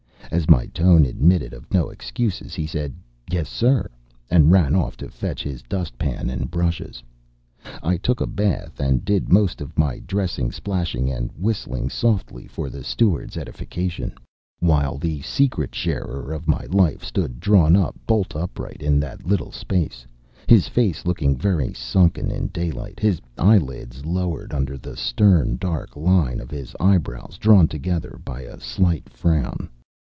As my tone admitted of no excuses, he said, "Yes, sir," and ran off to fetch his dustpan and brushes. I took a bath and did most of my dressing, splashing, and whistling softly for the steward's edification, while the secret sharer of my life stood drawn up bolt upright in that little space, his face looking very sunken in daylight, his eyelids lowered under the stern, dark line of his eyebrows drawn together by a slight frown.